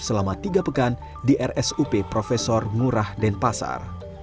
selama tiga pekan di rsup profesor nurah denpasar